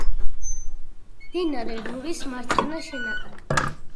მდინარე რურის მარცხენა შენაკადი.